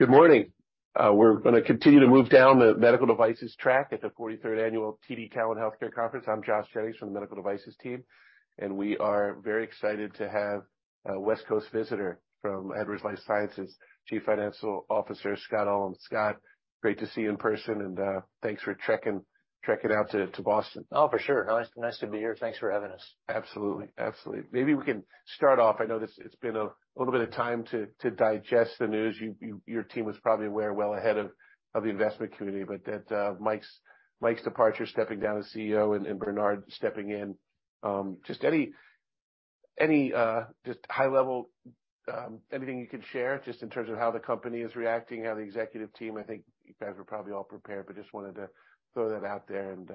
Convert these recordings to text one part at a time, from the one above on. Good morning. We're gonna continue to move down the medical devices track at the 43rd Annual TD Cowen Healthcare Conference. I'm Josh Torres from the Medical Devices team. We are very excited to have a West Coast visitor from Edwards Lifesciences, Chief Financial Officer Scott Ullem. Scott, great to see you in person and, thanks for trekking out to Boston. Oh, for sure. Nice, nice to be here. Thanks for having us. Absolutely. Maybe we can start off, I know it's been a little bit of time to digest the news. Your team was probably aware well ahead of the investment community, but that Mike's departure, stepping down as CEO and Bernard stepping in. Just any, just high level, anything you can share just in terms of how the company is reacting, how the executive team. I think you guys were probably all prepared, just wanted to throw that out there and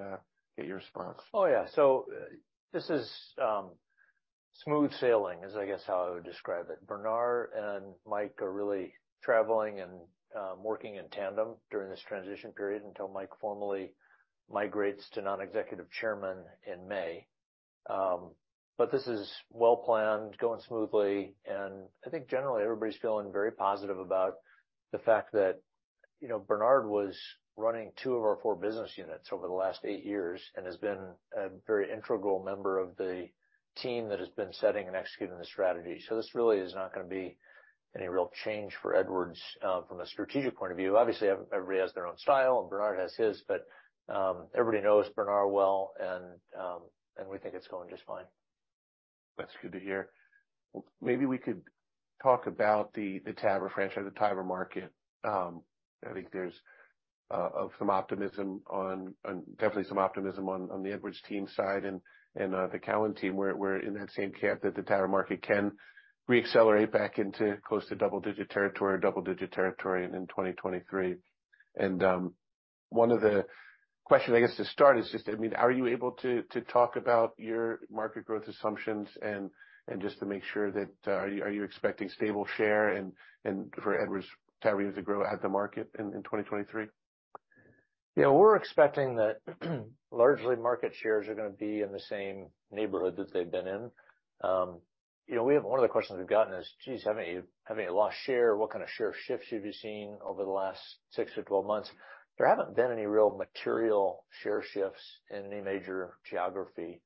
get your response. This is, smooth sailing is how I would describe it. Bernard and Mike are really traveling and, working in tandem during this transition period until Mike formally migrates to Non-Executive Chairman in May. This is well-planned, going smoothly, and I think generally everybody's feeling very positive about the fact that Bernard was running two of our four business units over the last eight years and has been a very integral member of the team that has been setting and executing the strategy. This really is not gonna be any real change for Edwards, from a strategic point of view. Obviously, everybody has their own style, and Bernard has his, but, everybody knows Bernard well, and we think it's going just fine. That's good to hear. Maybe we could talk about the TAVR franchise, the TAVR market. I think there's definitely some optimism on the Edwards team side and the Cowen team. We're in that same camp that the TAVR market can reaccelerate back into close to double-digit territory or double-digit territory in 2023. One of the questions to start is just, are you able to talk about your market growth assumptions and just to make sure that are you expecting stable share and for Edwards TAVR to grow at the market in 2023? We're expecting that largely market shares are gonna be in the same neighborhood that they've been in. One of the questions we've gotten is, geez, have any lost share? What kind of share shifts have you seen over the last 6-12 months? There haven't been any real material share shifts in any major geography,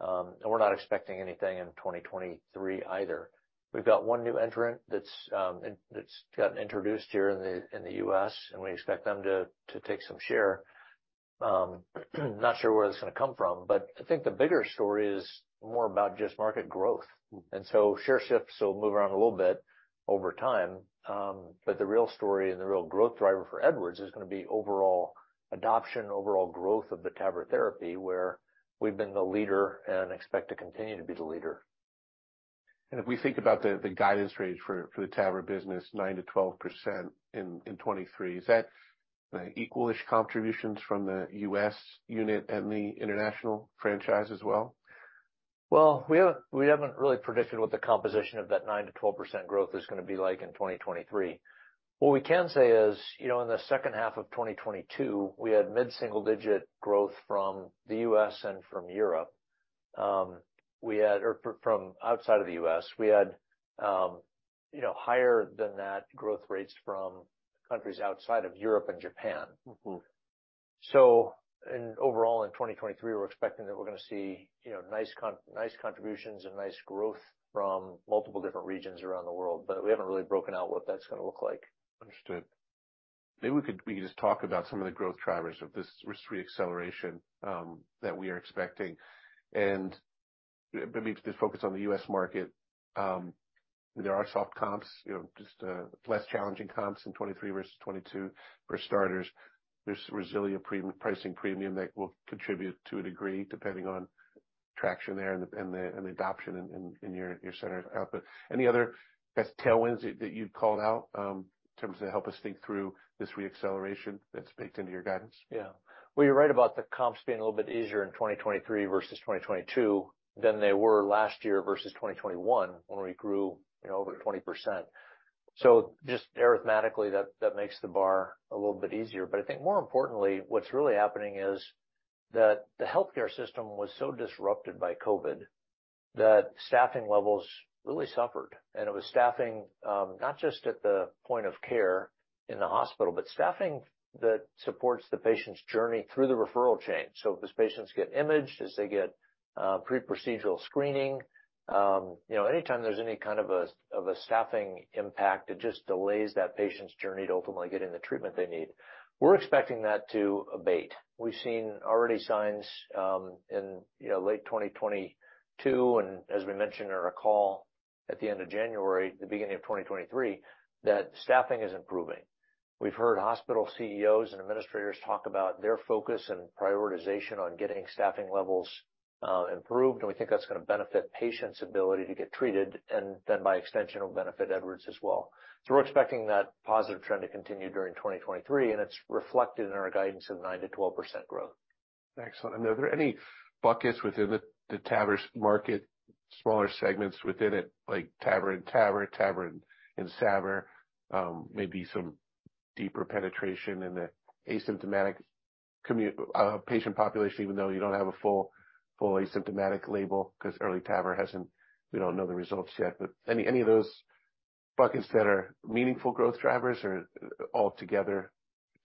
and we're not expecting anything in 2023 either. We've got one new entrant that's gotten introduced here in the U.S., and we expect them to take some share. not sure where that's gonna come from. I think the bigger story is more about just market growth. Share shifts will move around a little bit over time, but the real story and the real growth driver for Edwards is going to be overall adoption, overall growth of the TAVR therapy, where we've been the leader and expect to continue to be the leader. If we think about the guidance range for the TAVR business, 9%-12% in 2023, is that equal-ish contributions from the U.S. unit and the international franchise as well? Well, we haven't really predicted what the composition of that 9%-12% growth is gonna be like in 2023. What we can say is in the second half of 2022, we had mid-single-digit growth from the U.S. and from Europe. We had, you know, higher than that growth rates from countries outside of Europe and Japan. Overall in 2023, we're expecting that we're gonna see, you know, nice contributions and nice growth from multiple different regions around the world, but we haven't really broken out what that's gonna look like. Understood. Maybe we could just talk about some of the growth drivers of this reacceleration that we are expecting. Maybe just focus on the U.S. market. There are soft comps, you know, just less challenging comps in 2023 versus 2022. For starters, there's resilient pricing premium that will contribute to a degree, depending on traction there and the adoption in your centers. Any other, I guess, tailwinds that you'd call out in terms of help us think through this reacceleration that's baked into your guidance? Well, you're right about the comps being a little bit easier in 2023 versus 2022 than they were last year versus 2021 when we grew, you know, over 20%. Just arithmetically that makes the bar a little bit easier. I think more importantly, what's really happening is that the healthcare system was so disrupted by COVID that staffing levels really suffered. It was staffing, not just at the point of care in the hospital, but staffing that supports the patient's journey through the referral chain. As patients get imaged, as they get pre-procedural screening anytime there's any kind of a staffing impact, it just delays that patient's journey to ultimately getting the treatment they need. We're expecting that to abate. We've seen already signs in late 2022, and as we mentioned in our call at the end of January, the beginning of 2023, staffing is improving. We've heard hospital CEOs and administrators talk about their focus and prioritization on getting staffing levels improved, and we think that's gonna benefit patients' ability to get treated and then by extension will benefit Edwards as well. We're expecting that positive trend to continue during 2023, and it's reflected in our guidance of 9%-12% growth. Excellent. Are there any buckets within the TAVR market, smaller segments within it, like TAVR and SAVR, maybe deeper penetration in the asymptomatic patient population, even though you don't have a fully symptomatic label because we don't know the results yet. Any of those buckets that are meaningful growth drivers or altogether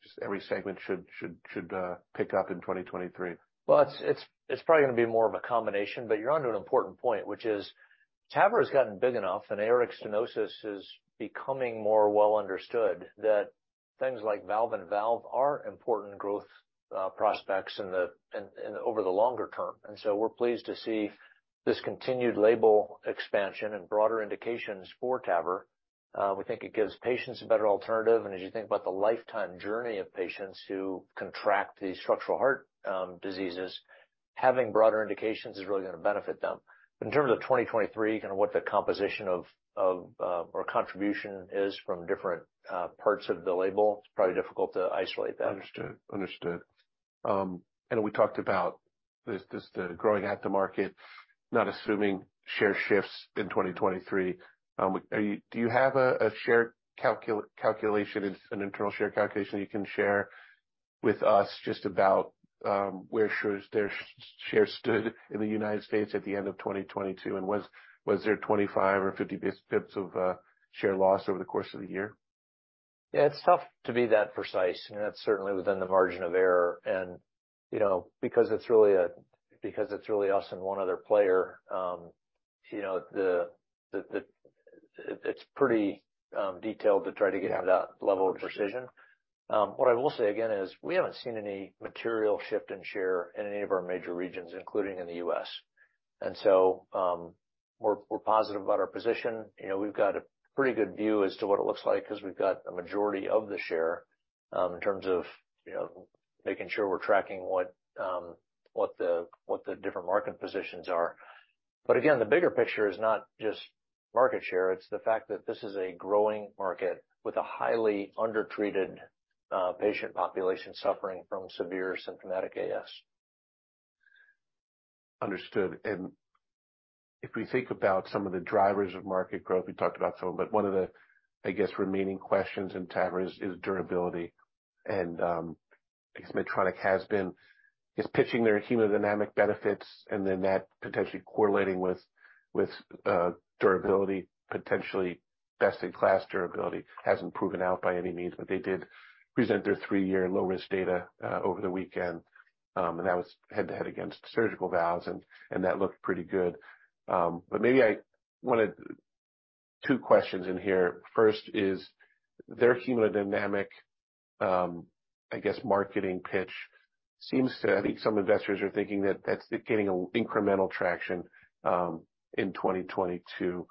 just every segment should pick up in 2023? Well, it's probably gonna be more of a combination, but you're onto an important point, which is TAVR has gotten big enough and aortic stenosis is becoming more well understood that things like valve-in-valve are important growth prospects over the longer term. We're pleased to see this continued label expansion and broader indications for TAVR. We think it gives patients a better alternative. As you think about the lifetime journey of patients who contract these structural heart diseases, having broader indications is really gonna benefit them. In terms of 2023, what the composition or contribution is from different parts of the label, it's probably difficult to isolate that. Understood, understood. We talked about this, the growing at the market, not assuming share shifts in 2023. Do you have a share calculation, an internal share calculation you can share with us just about where their share stood in the United States at the end of 2022? Was there 25 or 50 basis points of share loss over the course of the year? It's tough to be that precise. That's certainly within the margin of error. Because it's really us and one other player it's pretty detailed to try to get to that level of precision. What I will say again is we haven't seen any material shift in share in any of our major regions, including in the U.S. We're positive about our position. We've got a pretty good view as to what it looks like because we've got a majority of the share, in terms of making sure we're tracking what the different market positions are. Again, the bigger picture is not just market share, it's the fact that this is a growing market with a highly undertreated patient population suffering from severe symptomatic AS. Understood. If we think about some of the drivers of market growth, we talked about some, but one of the remaining questions in TAVR is durability. I guess Medtronic is pitching their hemodynamic benefits and then that potentially correlating with durability, potentially best in class durability. Hasn't proven out by any means, but they did present their 3-year low risk data over the weekend. That was head to head against surgical valves, and that looked pretty good. Maybe I wanted two questions in here. First is their hemodynamic marketing pitch seems I think some investors are thinking that that's gaining incremental traction in 2022.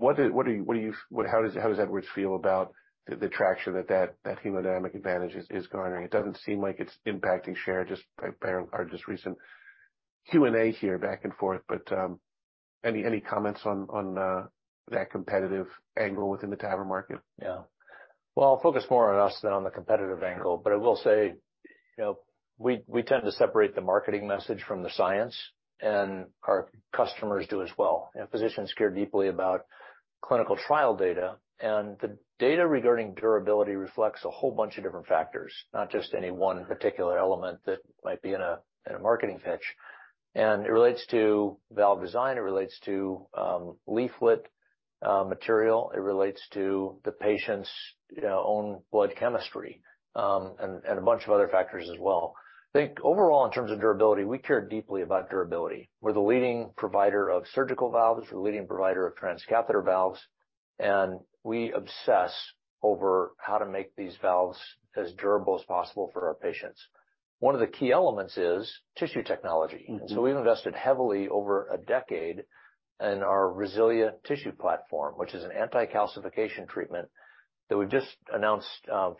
How does Edwards feel about the traction that hemodynamic advantage is garnering? It doesn't seem like it's impacting share, just by our just recent Q&A here back and forth. Any comments on that competitive angle within the TAVR market? Well, I'll focus more on us than on the competitive angle, but I will say we tend to separate the marketing message from the science. Our customers do as well. Physicians care deeply about clinical trial data, and the data regarding durability reflects a whole bunch of different factors, not just any one particular element that might be in a marketing pitch. It relates to valve design, it relates to leaflet material. It relates to the patient's own blood chemistry, and a bunch of other factors as well. I think overall, in terms of durability, we care deeply about durability. We're the leading provider of surgical valves. We're the leading provider of transcatheter valves. We obsess over how to make these valves as durable as possible for our patients. One of the key elements is tissue technology. We've invested heavily over a decade in our RESILIA tissue platform, which is an anti-calcification treatment that we've just announced,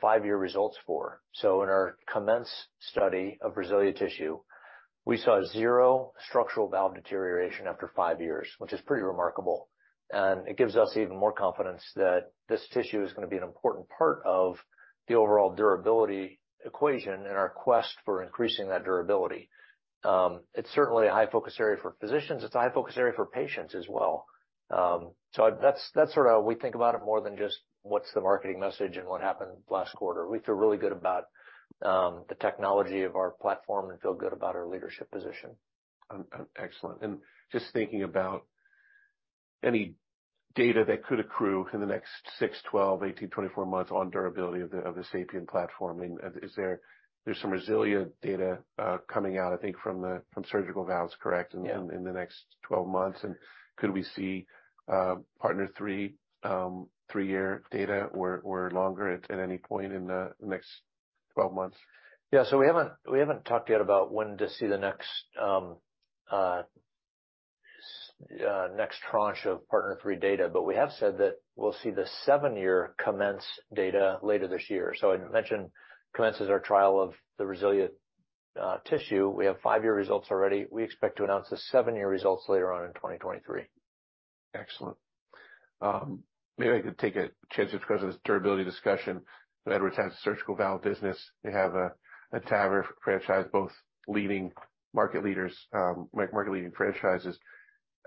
five-year results for. In our COMMENCE study of RESILIA tissue, we saw zero structural valve deterioration after five years, which is pretty remarkable. It gives us even more confidence that this tissue is going to be an important part of the overall durability equation in our quest for increasing that durability. It's certainly a high focus area for physicians. It's a high focus area for patients as well. So that's sort of how we think about it more than just what's the marketing message and what happened last quarter. We feel really good about the technology of our platform and feel good about our leadership position. Excellent. Just thinking about any data that could accrue in the next 6, 12, 18, 24 months on durability of the SAPIEN platform. I mean, there's some RESILIA data, coming out from surgical valves, correct in the next 12 months. Could we see PARTNER 3 3-year data or longer at any point in the next 12 months? We haven't talked yet about when to see the next tranche of PARTNER 3 data, but we have said that we'll see the 7-year COMMENCE data later this year. I mentioned COMMENCE is our trial of the RESILIA tissue. We have 5-year results already. We expect to announce the 7-year results later on in 2023. Excellent. Maybe I could take a chance just because of this durability discussion. Edwards has a surgical valve business. They have a TAVR franchise, both leading market leaders, market-leading franchises.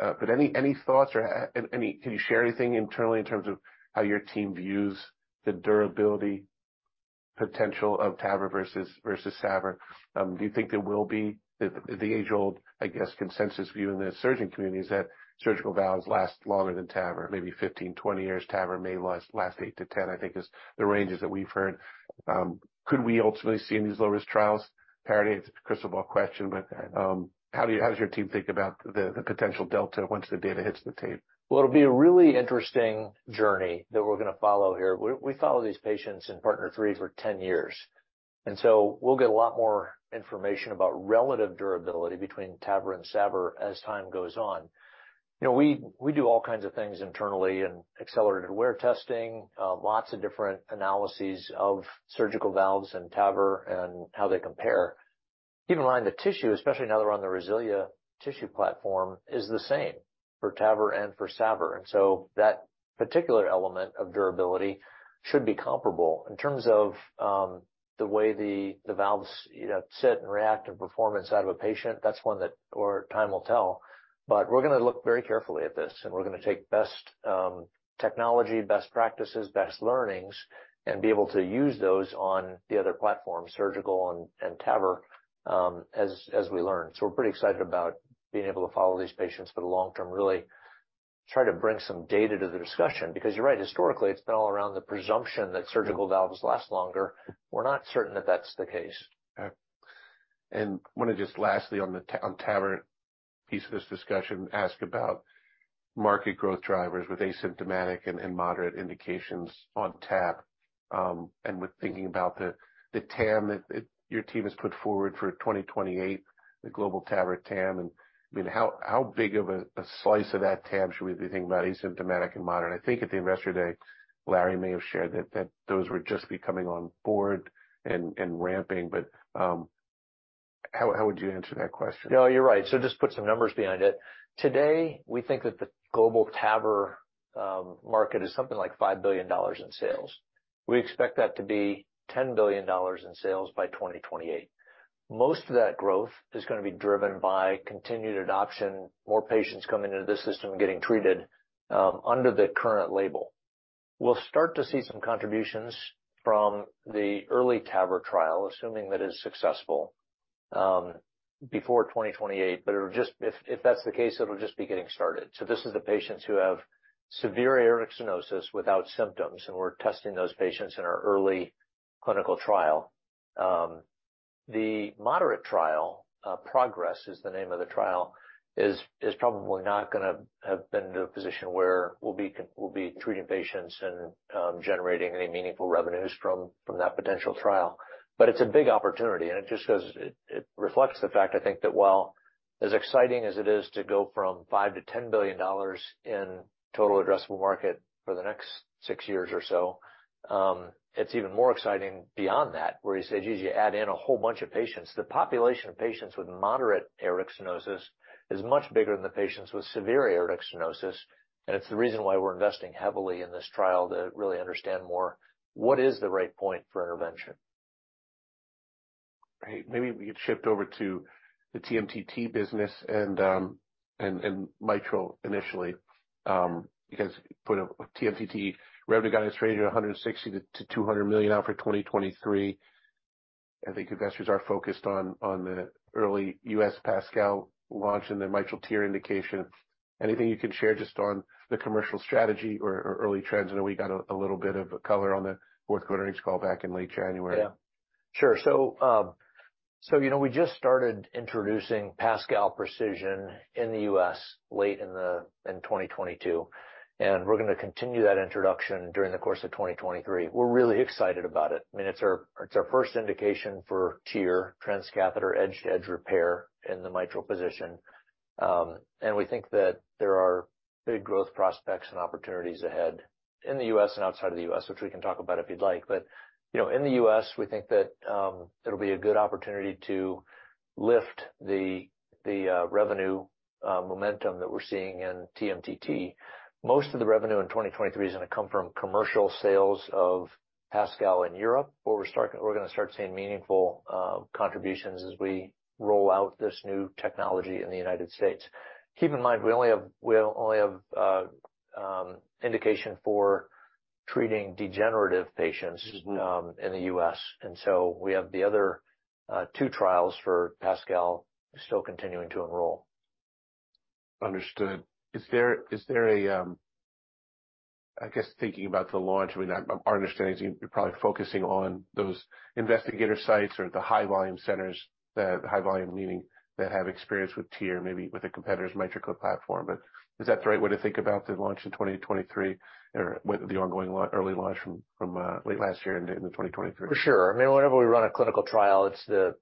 Any thoughts or can you share anything internally in terms of how your team views the durability potential of TAVR versus SAVR? Do you think there will be the age-old consensus view in the surgeon community is that surgical valves last longer than TAVR, maybe 15, 20 years. TAVR may last 8-10, is the ranges that we've heard. Could we ultimately see in these low-risk trials, Probably, it's a crystal ball question, but how does your team think about the potential delta once the data hits the tape? Well, it'll be a really interesting journey that we're gonna follow here. We follow these patients in PARTNER 3 for 10 years. We'll get a lot more information about relative durability between TAVR and SAVR as time goes on. We do all kinds of things internally and accelerated wear testing, lots of different analyses of surgical valves and TAVR and how they compare. Keep in mind, the tissue, especially now they're on the RESILIA tissue platform, is the same for TAVR and for SAVR. That particular element of durability should be comparable. In terms of the way the valves, you know, sit and react and perform inside of a patient, that's one that our time will tell. We're gonna look very carefully at this, and we're gonna take best technology, best practices, best learnings, and be able to use those on the other platforms, surgical and TAVR, as we learn. We're pretty excited about being able to follow these patients for the long term, really try to bring some data to the discussion. You're right, historically, it's been all around the presumption that surgical valves last longer. We're not certain that that's the case. Okay. Wanna just lastly, on TAVR piece of this discussion, ask about market growth drivers with asymptomatic and moderate indications on tap, with thinking about the TAM your team has put forward for 2028, the global TAVR TAM. I mean, how big of a slice of that TAM should we be thinking about asymptomatic and moderate? I think at the Investor Day, Larry may have shared that those were just coming on board and ramping. How would you answer that question? No, you're right. Just put some numbers behind it. Today, we think that the global TAVR market is something like $5 billion in sales. We expect that to be $10 billion in sales by 2028. Most of that growth is gonna be driven by continued adoption, more patients coming into the system and getting treated under the current label. We'll start to see some contributions from the EARLY TAVR trial, assuming that is successful before 2028, but if that's the case, it'll just be getting started. This is the patients who have severe aortic stenosis without symptoms, and we're testing those patients in our early clinical trial. The moderate trial, PROGRESS is the name of the trial, is probably not gonna have been to a position where we'll be treating patients and generating any meaningful revenues from that potential trial. It's a big opportunity, and it just goes, it reflects the fact, I think that while as exciting as it is to go from $5 billion to $10 billion in total addressable market for the next 6 years or so, it's even more exciting beyond that, where you say, geez, you add in a whole bunch of patients. The population of patients with moderate aortic stenosis is much bigger than the patients with severe aortic stenosis. It's the reason why we're investing heavily in this trial to really understand more what the right point for intervention is. Right. Maybe we could shift over to the TMTT business and mitral initially, because put a TMTT revenue guidance range of $160 million to $200 million now for 2023. I think investors are focused on the early U.S. PASCAL launch in the mitral TEER indication. Anything you can share just on the commercial strategy or early trends? I know we got a little bit of color on the fourth quarter earnings call back in late January. Sure. You know, we just started introducing PASCAL Precision in the U.S. late in 2022, and we're gonna continue that introduction during the course of 2023. We're really excited about it. I mean, it's our first indication for TEER, transcatheter edge-to-edge repair in the mitral position. We think that there are big growth prospects and opportunities ahead in the U.S. and outside of the U.S., which we can talk about if you'd like. You know, in the U.S., we think that it'll be a good opportunity to lift the revenue momentum that we're seeing in TMTT. Most of the revenue in 2023 is gonna come from commercial sales of PASCAL in Europe, where we're gonna start seeing meaningful contributions as we roll out this new technology in the United States. Keep in mind, we only have indication for treating degenerative patients. In the U.S., we have the other, 2 trials for PASCAL still continuing to enroll. Understood. Is there a, I guess thinking about the launch, I mean, our understanding is you're probably focusing on those investigator sites or the high volume centers, the high volume meaning that have experience with TEER, maybe with a competitor's MitraClip platform. Is that the right way to think about the launch in 2023 or with the ongoing early launch from late last year into 2023? For sure. I mean, whenever we run a clinical trial, it's the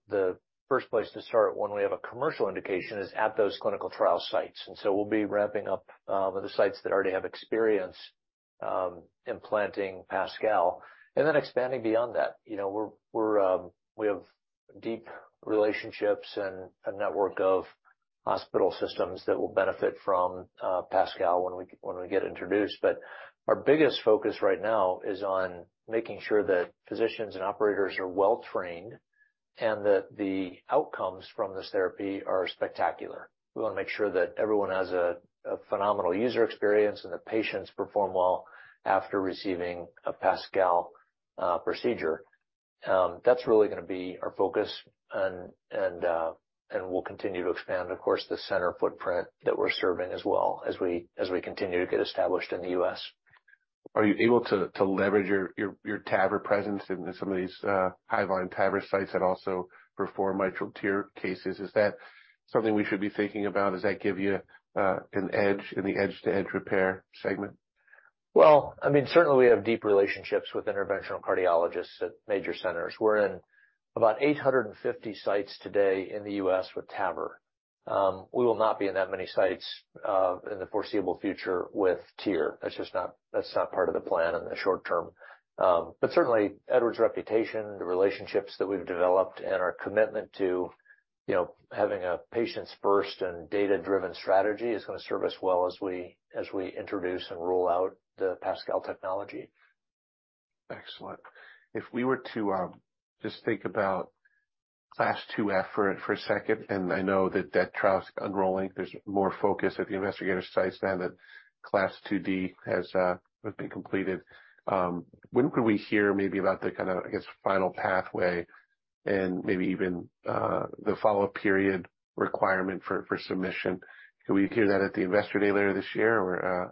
first place to start when we have a commercial indication is at those clinical trial sites. We'll be ramping up the sites that already have experience implanting PASCAL and then expanding beyond that. You know, we're we have deep relationships and a network of hospital systems that will benefit from PASCAL when we get introduced. Our biggest focus right now is on making sure that physicians and operators are well trained and that the outcomes from this therapy are spectacular. We wanna make sure that everyone has a phenomenal user experience and the patients perform well after receiving a PASCAL procedure. That's really gonna be our focus and we'll continue to expand, of course, the center footprint that we're serving as well as we continue to get established in the U.S. Are you able to leverage your TAVR presence in some of these high-volume TAVR sites that also perform mitral TEER cases? Is that something we should be thinking about? Does that give you an edge in the edge-to-edge repair segment? Well, I mean, certainly we have deep relationships with interventional cardiologists at major centers. We're in about 850 sites today in the U.S. with TAVR. We will not be in that many sites in the foreseeable future with TEER. That's just not part of the plan in the short term. Certainly Edwards' reputation, the relationships that we've developed, and our commitment to, you know, having a patients first and data-driven strategy is gonna serve us well as we introduce and roll out the PASCAL technology. Excellent. If we were to just think about CLASP IIF for a second, and I know that that trial's unrolling, there's more focus at the investigator sites now that CLASP IID has been completed. When could we hear maybe about the kinda, I guess, final pathway and maybe even the follow-up period requirement for submission? Could we hear that at the Investor Day later this year?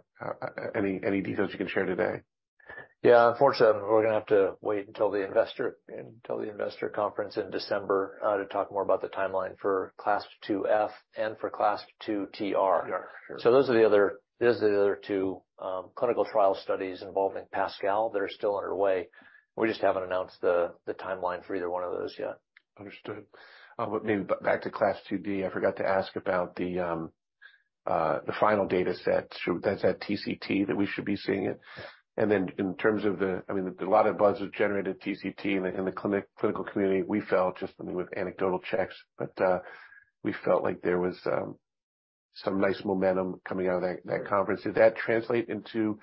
Any details you can share today? Unfortunately, we're gonna have to wait until the Investor Conference in December, to talk more about the timeline for CLASP IIF and for CLASP II TR. Those are the other, those are the other two clinical trial studies involving PASCAL that are still underway. We just haven't announced the timeline for either one of those yet. Understood. But maybe back to CLASP IID. I forgot to ask about the final dataset. That's that TCT that we should be seeing it. In terms of the... I mean, a lot of buzz was generated at TCT. In the clinical community, we felt just, I mean, with anecdotal checks, but we felt like there was some nice momentum coming out of that conference. Did that translate into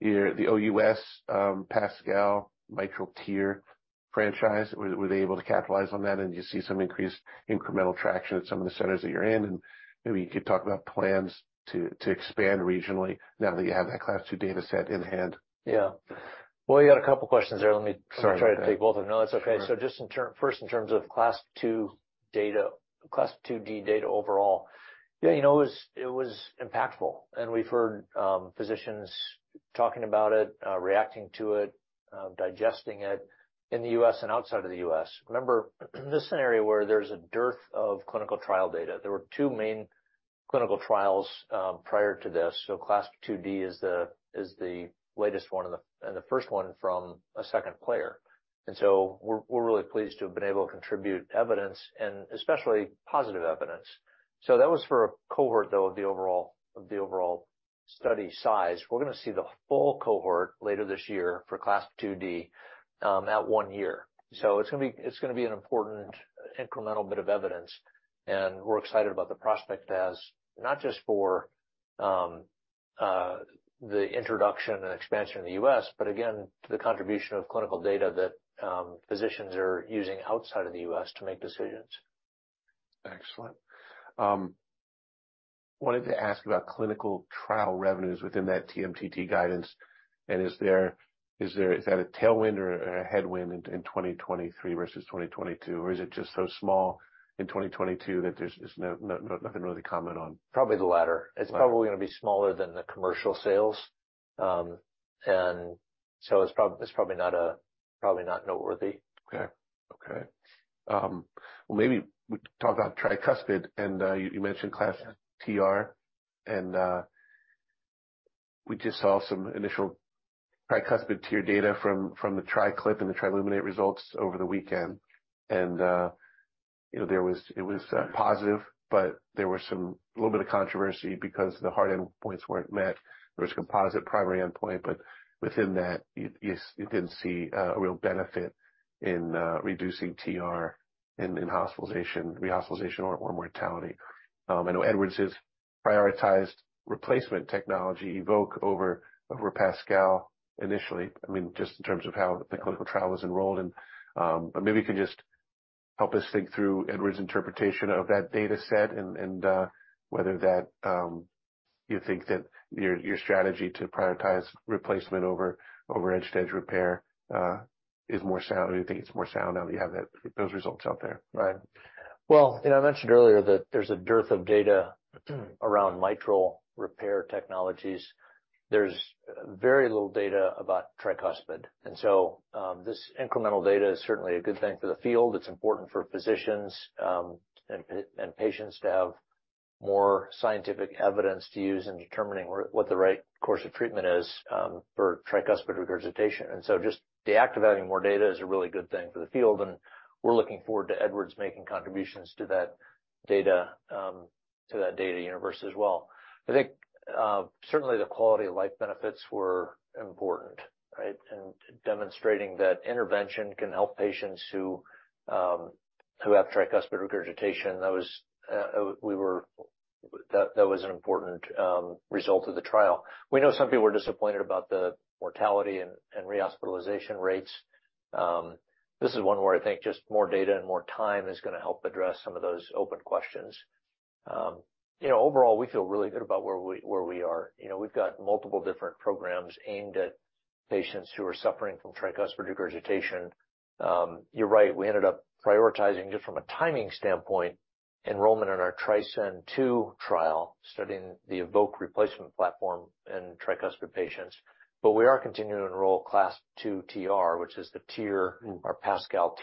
your, the OUS PASCAL mitral TEER franchise? Were they able to capitalize on that? Do you see some increased incremental traction at some of the centers that you're in? Maybe you could talk about plans to expand regionally now that you have that Class II dataset in hand. Well, you got a couple questions there. Let me try to take both of them. No, that's okay. Sure. First, in terms of CLASP II data, CLASP IID data overall. It was impactful. We've heard physicians talking about it, reacting to it, digesting it in the U.S. and outside of the U.S. Remember, this is an area where there's a dearth of clinical trial data. There were two main clinical trials prior to this. CLASP IID is the latest one and the first one from a second player. We're really pleased to have been able to contribute evidence and especially positive evidence. That was for a cohort, though, of the overall study size. We're gonna see the full cohort later this year for CLASP IID at 1 year. It's gonna be an important incremental bit of evidence, and we're excited about the prospect as not just for the introduction and expansion in the U.S., but again, the contribution of clinical data that physicians are using outside of the U.S. to make decisions. Excellent. wanted to ask about clinical trial revenues within that TMTT guidance. Is that a tailwind or a headwind in 2023 versus 2022? Is it just so small in 2022 that there's nothing really to comment on? Probably the latter. It's probably gonna be smaller than the commercial sales. It's probably not a, probably not noteworthy. Okay. Okay. Well, maybe we can talk about tricuspid and you mentioned CLASP II TR and we just saw some initial tricuspid TEER data from the TriClip and the TRILUMINATE results over the weekend. You know, it was positive, but there were some little bit of controversy because the hard endpoints weren't met. There was a composite primary endpoint, but within that you, you didn't see a real benefit in reducing TR in hospitalization, rehospitalization or mortality. I know Edwards has prioritized replacement technology EVOQUE over PASCAL initially. I mean, just in terms of how the clinical trial was enrolled and, but maybe you can just help us think through Edwards' interpretation of that dataset and, whether that, you think that your strategy to prioritize replacement over edge-to-edge repair, is more sound. Do you think it's more sound now that you have that, those results out there? Right. Well, you know, I mentioned earlier that there's a dearth of data around mitral repair technologies. There's very little data about tricuspid, and so this incremental data is certainly a good thing for the field. It's important for physicians, and patients to have more scientific evidence to use in determining what the right course of treatment is for tricuspid regurgitation. Just the act of having more data is a really good thing for the field, and we're looking forward to Edwards making contributions to that data, to that data universe as well. I think certainly the quality-of-life benefits were important, right? In demonstrating that intervention can help patients who have tricuspid regurgitation. That was an important result of the trial. We know some people were disappointed about the mortality and rehospitalization rates. This is one where I think just more data and more time is gonna help address some of those open questions. You know, overall, we feel really good about where we, where we are. You know, we've got multiple different programs aimed at patients who are suffering from tricuspid regurgitation. You're right, we ended up prioritizing, just from a timing standpoint, enrollment in our TRISCEND II trial, studying the EVOQUE replacement platform in tricuspid patients. We are continuing to enroll CLASP II TR, which is the TEER, our PASCAL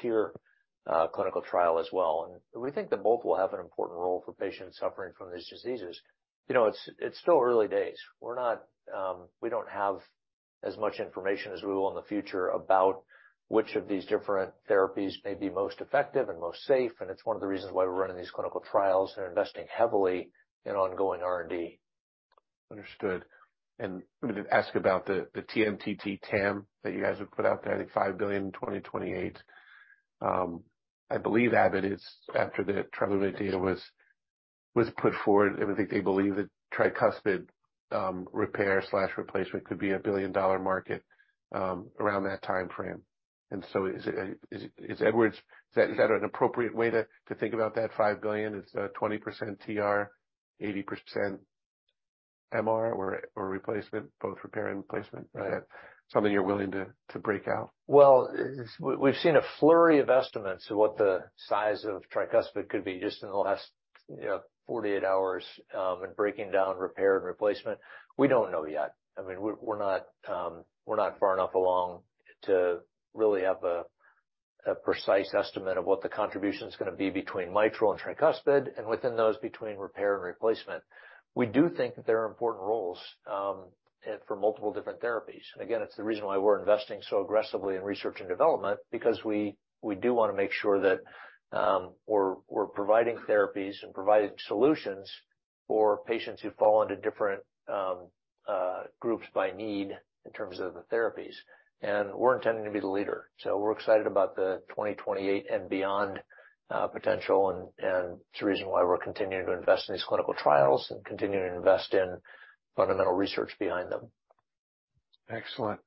TEER clinical trial as well. We think that both will have an important role for patients suffering from these diseases. You know, it's still early days. We're not, we don't have as much information as we will in the future about which of these different therapies may be most effective and most safe. It's one of the reasons why we're running these clinical trials and investing heavily in ongoing R&D. Understood. Let me ask about the TMTT TAM that you guys have put out there, I think $5 billion in 2028. I believe Abbott is, after the TAVR data was put forward, I think they believe that tricuspid repair/replacement could be a billion-dollar market around that timeframe. Is Edwards Is that an appropriate way to think about that $5 billion? Is it 20% TR, 80% MR or replacement, both repair and replacement? Something you're willing to break out? Well, we've seen a flurry of estimates of what the size of tricuspid could be just in the last, you know, 48 hours, in breaking down repair and replacement. We don't know yet. I mean, we're not far enough along to really have a precise estimate of what the contribution's gonna be between mitral and tricuspid, and within those, between repair and replacement. We do think that there are important roles for multiple different therapies. Again, it's the reason why we're investing so aggressively in research and development, because we do wanna make sure that we're providing therapies and providing solutions for patients who fall into different groups by need in terms of the therapies. We're intending to be the leader. We're excited about the 2028 and beyond, potential and it's the reason why we're continuing to invest in these clinical trials and continuing to invest in fundamental research behind them. Excellent.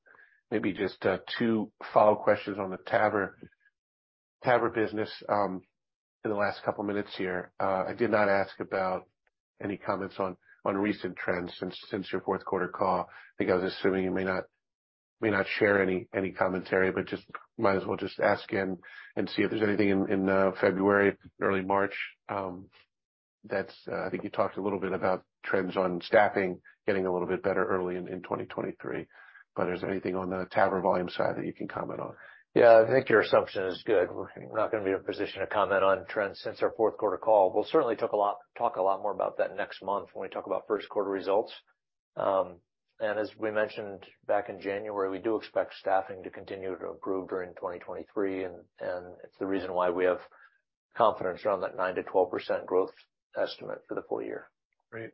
Maybe just two follow-up questions on the TAVR business in the last couple minutes here. I did not ask about any comments on recent trends since your fourth quarter call. I think I was assuming you may not share any commentary, but just might as well just ask and see if there's anything in February, early March. I think you talked a little bit about trends on staffing getting a little bit better early in 2023. But is there anything on the TAVR volume side that you can comment on? Your assumption is good. We're not gonna be in a position to comment on trends since our fourth quarter call. We'll certainly talk a lot more about that next month when we talk about first-quarter results. As we mentioned back in January, we do expect staffing to continue to improve during 2023, and it's the reason why we have confidence around that 9%-12% growth estimate for the full year. Great.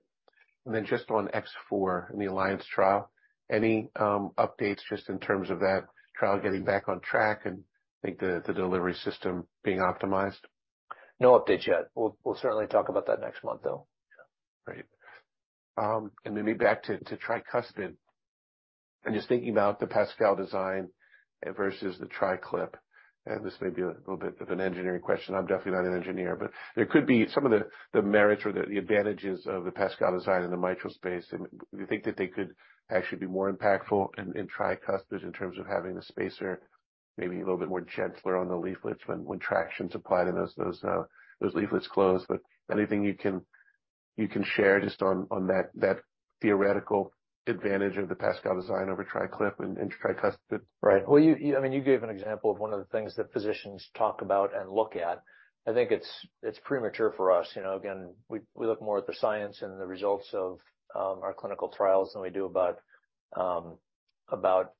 Just on X4 in the ALLIANCE trial, any updates just in terms of that trial getting back on track and I think the delivery system being optimized? No updates yet. We'll certainly talk about that next month, though. Great. Maybe back to tricuspid. I'm just thinking about the PASCAL design versus the TriClip, and this may be a little bit of an engineering question. I'm definitely not an engineer. There could be some of the merits or the advantages of the PASCAL design in the mitral space. Do you think that they could actually be more impactful in tricuspids in terms of having the spacer maybe a little bit more gentler on the leaflets when traction's applied and those leaflets close? Anything you can share just on that theoretical advantage of the PASCAL design over TriClip in tricuspid? Right. Well, I mean, you gave an example of one of the things that physicians talk about and look at. I think it's premature for us. You know, again, we look more at the science and the results of our clinical trials than we do about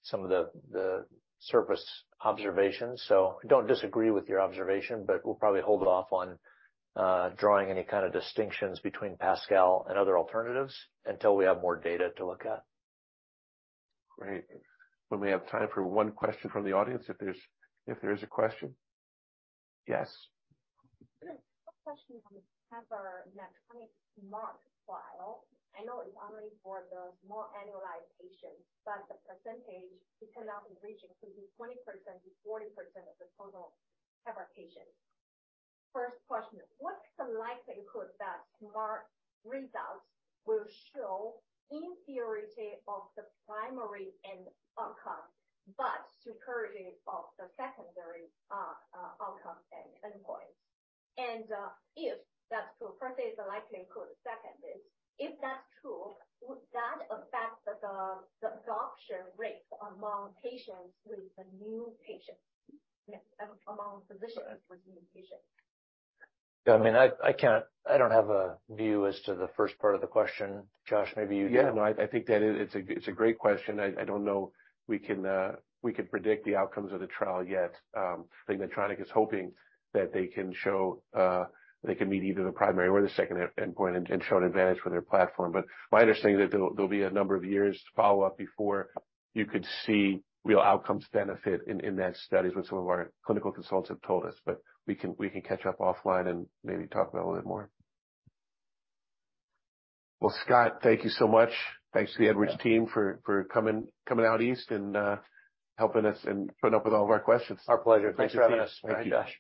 some of the surface observations. I don't disagree with your observation, but we'll probably hold off on drawing any kind of distinctions between PASCAL and other alternatives until we have more data to look at. Great. Well, we have time for one question from the audience, if there is a question. Yes. A quick question on the TAVR Medtronic SMART trial. I know it's only for the more annualized patients, but the percentage it ended up reaching could be 20%-40% of the total TAVR patients. First question, what's the likelihood that SMART results will show inferiority of the primary end outcome but superiority of the secondary outcome and endpoints? If that's true, first is the likelihood, second is if that's true, would that affect the adoption rate Yes, among physicians with new patients? I mean, I don't have a view as to the first part of the question. Josh, maybe you do. No, that it's a great question. I don't know we can predict the outcomes of the trial yet. I think Medtronic is hoping that they can show they can meet either the primary or the second end-endpoint and show an advantage for their platform. My understanding that there'll be a number of years follow-up before you could see real outcomes benefit in that study is what some of our clinical consultants have told us. We can catch up offline and maybe talk about a little bit more. Well, Scott, thank you so much. Thanks to the Edwards team for coming out east and helping us and putting up with all of our questions. Our pleasure. Thanks for having us. Thanks, Scott. Thank you, Josh.